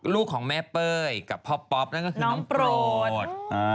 ลูกของแม่เป้ยกับพ่อป๊อปนั่นก็คือน้องโปรด